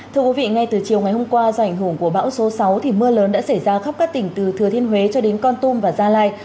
thưa quý vị ngay từ chiều ngày hôm qua do ảnh hưởng của bão số sáu thì mưa lớn đã xảy ra khắp các tỉnh từ thừa thiên huế cho đến con tum và gia lai